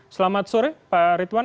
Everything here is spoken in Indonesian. selamat sore pak ritwan